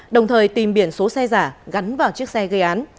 đồng thời tìm biển số xe giả gắn vào chiếc xe gây án